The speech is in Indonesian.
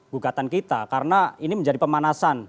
gugatan kita karena ini menjadi pemanasan